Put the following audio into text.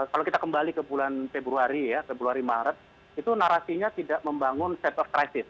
kalau kita kembali ke bulan februari ya februari maret itu narasinya tidak membangun set of crisis